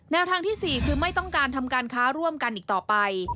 ทางที่๔คือไม่ต้องการทำการค้าร่วมกันอีกต่อไป